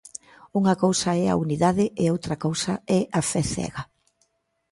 Unha cousa é a unidade e outra cousa é a fe cega.